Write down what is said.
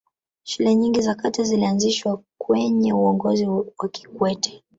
shule nyingi za kata zilianzishwa kwenye uongozi wa kikwete